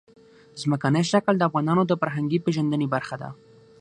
ځمکنی شکل د افغانانو د فرهنګي پیژندنې برخه ده.